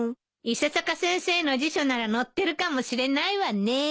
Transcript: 伊佐坂先生の辞書なら載ってるかもしれないわねえ。